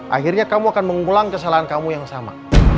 akhirnya kamu akan mengulang kesalahan kamu yang sama